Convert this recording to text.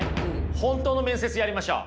本当の面接やりましょう。